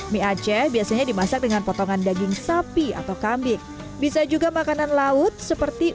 mie aceh biasanya dimasak dengan potongan daging sapi atau kambing bisa juga makanan laut seperti